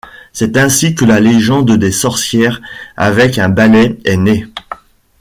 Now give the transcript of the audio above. C'est ainsi que la légende des sorcières avec un balai est née.